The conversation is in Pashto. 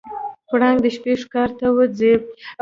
پړانګ د شپې ښکار ته وځي.